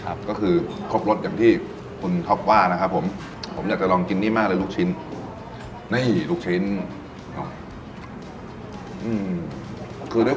แล้วก็มีความเดี่ยวนุ่มในตัวด้วย